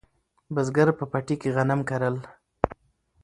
بزګر په پټي کې غنم کرل